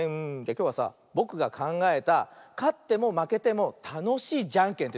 きょうはさぼくがかんがえたかってもまけてもたのしいじゃんけんというのやってみよう。